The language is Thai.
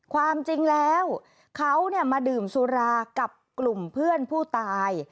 ความจริงแล้วเขามาดื่มสุรากับกลุ่มเพื่อนผู้ตาย